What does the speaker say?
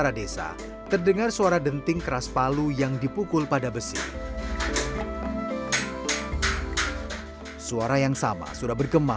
jadi sangat murahan agar tidak dimakan adanya sumber perang tersebut